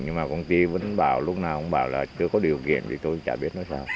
nhưng mà công ty vẫn bảo lúc nào cũng bảo là chưa có điều kiện thì tôi chả biết nó làm